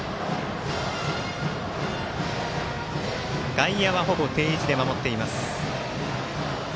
外野手はほぼ定位置で守っています。